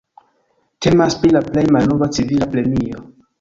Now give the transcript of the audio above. Temas pri la plej malnova civila premio.